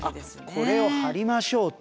これを貼りましょうと。